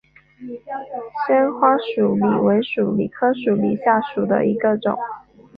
纤花鼠李为鼠李科鼠李属下的一个种。